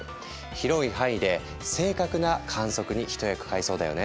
広い範囲で正確な観測に一役買いそうだよね。